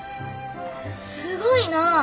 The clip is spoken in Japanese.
すごいな。